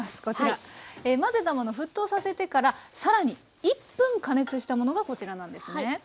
こちら混ぜたもの沸騰させてからさらに１分加熱したものがこちらなんですね。